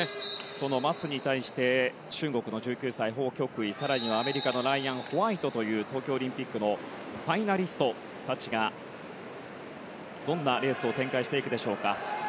そのマスに対して中国の１９歳、ホウ・キョクイ更にはアメリカのライアン・ホワイトという東京オリンピックのファイナリストたちがどんなレースを展開していくでしょうか。